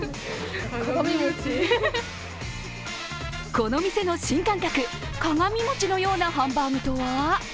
この店の新感覚、鏡餅のようなハンバーグとは？